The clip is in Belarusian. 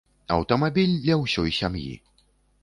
Аўтамабіль для ўсёй сям'і!